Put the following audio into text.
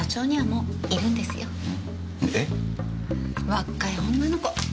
若い女の子。